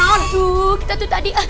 aduh kita tuh tadi